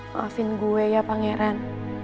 maafin gue ya pangeran